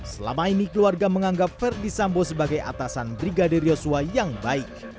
selama ini keluarga menganggap ferdisambu sebagai atasan brigadir joshua yang baik